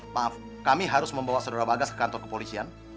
maaf kami harus membawa saudara bagas ke kantor kepolisian